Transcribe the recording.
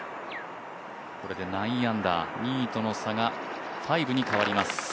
これで９アンダー、２位との差が５に変わります。